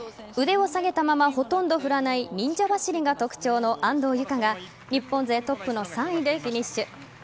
腕を下げたままほとんど振らない忍者走りが特徴の安藤友香が日本勢トップの３位でフィニッシュ。